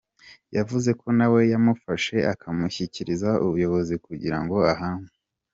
Yavuze ko nawe yamufashe akamushyikiriza ubuyobozi kugira ngo ahanwe.